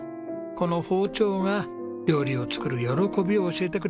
この包丁が料理を作る喜びを教えてくれました。